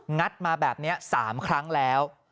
งัดมาแบบนี้๓ครั้งแล้ว